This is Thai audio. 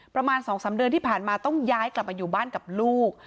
ประมาณ๒๓เดือนที่ผ่านมาต้องย้ายกลับมาอยู่บ้านกับลูก